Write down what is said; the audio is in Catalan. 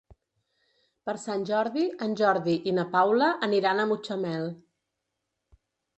Per Sant Jordi en Jordi i na Paula aniran a Mutxamel.